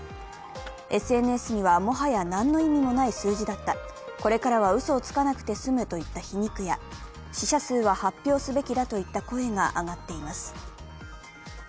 ＳＮＳには、もはや何の意味もない数字だったこれからはうそをつかなくて済むといった皮肉や死者数は発表すべきだといった声が上がっています。